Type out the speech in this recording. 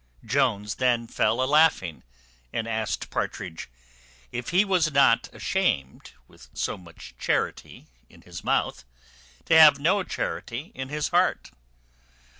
Jones then fell a laughing, and asked Partridge, "if he was not ashamed, with so much charity in his mouth, to have no charity in his heart.